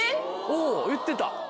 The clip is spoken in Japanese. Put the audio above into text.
おぉ言ってた？